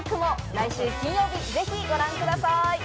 来週金曜日、ぜひご覧ください。